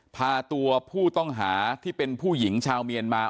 พาตัวผู้ต้องหาที่เป็นผู้หญิงชาวเมียนมา